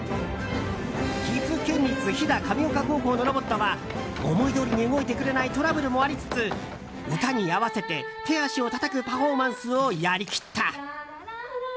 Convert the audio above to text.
岐阜県立飛騨神岡高校のロボットは思いどおりに動いてくれないトラブルもありつつ歌に合わせて手足をたたくパフォーマンスをやりきった。